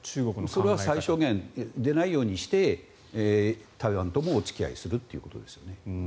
それは最小限、出ないようにして台湾ともお付き合いするっていうことですよね。